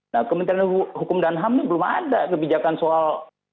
nah kementerian hukum dan ham ini belum ada kebijakan soal